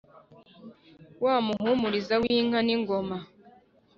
Wa Muhumuriza w’inka n’ingoma,